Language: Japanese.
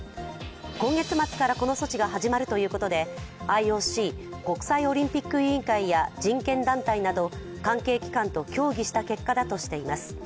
今月末からこの措置が始まるということでＩＯＣ＝国際オリンピック委員会や人権団体など関係機関と協議した結果だとしています。